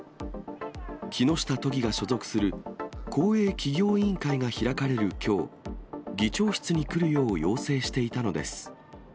木下都議が所属する公営企業委員会が開かれるきょう、議長室に来るよう、要請していたのです。